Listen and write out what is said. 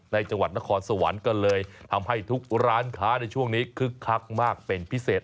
จังหวัดนครสวรรค์ก็เลยทำให้ทุกร้านค้าในช่วงนี้คึกคักมากเป็นพิเศษ